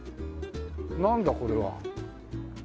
なんだこれは。